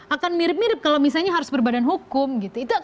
akan mirip mirip kalau misalnya harus berbadan hukum gitu